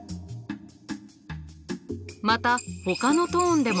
またほかのトーンでも。